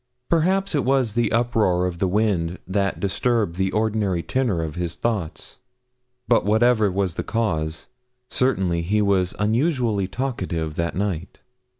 Perhaps it was the uproar of the wind that disturbed the ordinary tenor of his thoughts; but, whatever was the cause, certainly he was unusually talkative that night.